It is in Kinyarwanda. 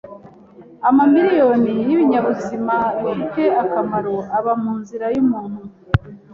Amamiriyoni y'ibinyabuzima bifite akamaro aba mu nzira y'umuntu.